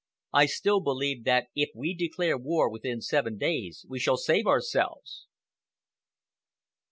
I still believe that if we declare war within seven days, we shall save ourselves."